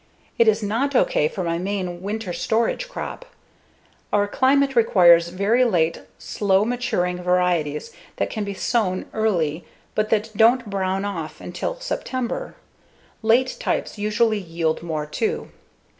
It is not ok for my main winter storage crop. Our climate requires very late, slow maturing varieties that can be sown early but that don't brown off until September. Late types usually yield more, too.